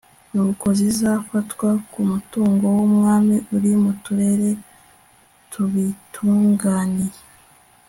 nuko zizafatwa ku mutungo w'umwami uri mu turere tubitunganiye